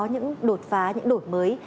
những đột phá những đổi mới